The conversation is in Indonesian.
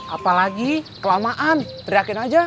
apa lagi kelamaan teriakin aja